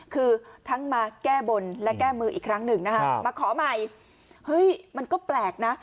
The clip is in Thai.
คือทั้งมาแก้บนและแก้มืออีกครั้งหนึ่งนะฮะมาขอใหม่เฮ้ยมันก็แปลกนะ